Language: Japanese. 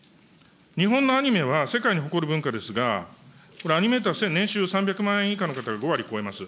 日本のアニメは世界に誇る文化ですが、これ、アニメーター年収３００万円以下の方が５割超えます。